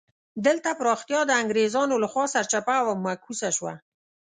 دلته پراختیا د انګرېزانو له خوا سرچپه او معکوسه شوه.